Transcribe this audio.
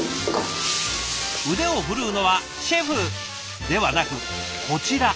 腕を振るうのはシェフ！ではなくこちら。